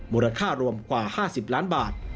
มูลค่ารวมกว่า๕๐ล้านบาท